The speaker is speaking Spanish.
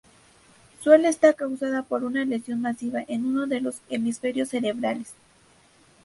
Suela está causada por una lesión masiva en uno de los hemisferios cerebrales.